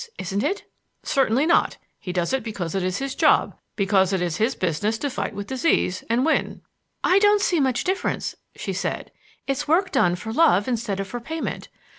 Isn't it?" "Certainly not. He does it because it is his job, because it is his business to fight with disease and win." "I don't see much difference," she said. "It's work done for love instead of for payment.